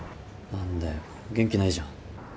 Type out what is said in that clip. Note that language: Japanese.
何だよ元気ないじゃん。